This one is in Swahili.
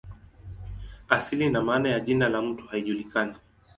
Asili na maana ya jina la mto haijulikani.